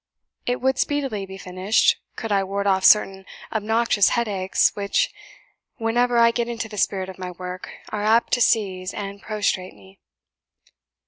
It would speedily be finished, could I ward off certain obnoxious headaches, which, whenever I get into the spirit of my work, are apt to seize and prostrate me.